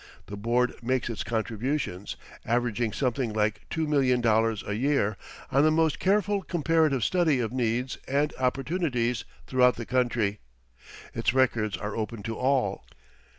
The board makes its contributions, averaging something like two million dollars a year, on the most careful comparative study of needs and opportunities throughout the country. Its records are open to all.